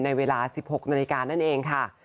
ในเวลา๑๖นาฬิกานั่นเองค่ะ